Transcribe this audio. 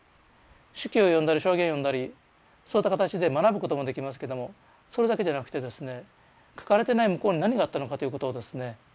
手記を読んだり証言を読んだりそういった形で学ぶこともできますけどもそれだけじゃなくてですね書かれてない向こうに何があったのかということをですね